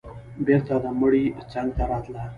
بېرته د مړي څنگ ته راتله.